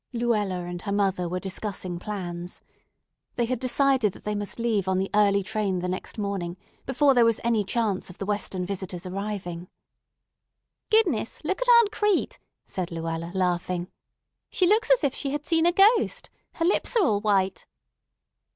Luella and her mother were discussing plans. They had decided that they must leave on the early train the next morning, before there was any chance of the Western visitor's arriving. "Goodness! Look at Aunt Crete," said Luella, laughing. "She looks as if she had seen a ghost. Her lips are all white."